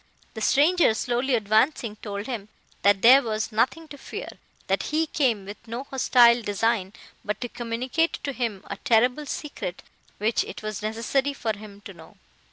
The stranger slowly advancing, told him, that there was nothing to fear; that he came with no hostile design, but to communicate to him a terrible secret, which it was necessary for him to know.